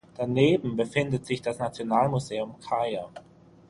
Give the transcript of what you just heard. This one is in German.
Daneben befindet sich das Nationalmuseum Chaiya.